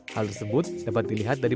hal tersebut dapat dilihat dari